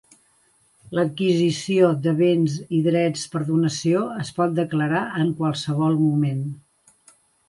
L'adquisició de béns i drets per donació es pot declarar en qualsevol moment.